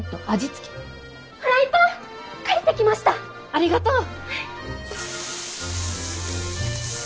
ありがとう！